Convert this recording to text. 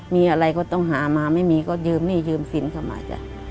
มีอะไรก็ต้องหามาไม่มีก็ยืมหนี้ยืมสินเข้ามาจ้ะ